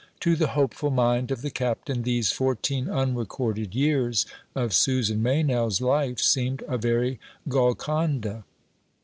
To the hopeful mind of the Captain these fourteen unrecorded years of Susan Meynell's life seemed a very Golconda.